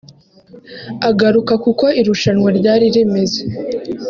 Agaruka kuko irushanwa ryari rimeze